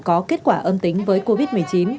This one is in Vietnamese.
có kết quả âm tính với covid một mươi chín